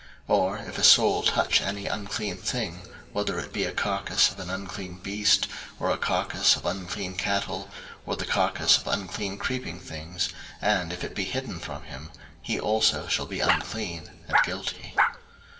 03:005:002 Or if a soul touch any unclean thing, whether it be a carcase of an unclean beast, or a carcase of unclean cattle, or the carcase of unclean creeping things, and if it be hidden from him; he also shall be unclean, and guilty.